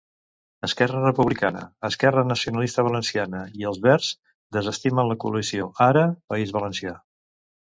Esquerra Republicana, Esquerra Nacionalista Valenciana i els Verds desestimen la coalició Ara, País Valencià'